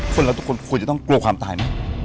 เราทุกคนควรจะต้องกลัวความตายไหม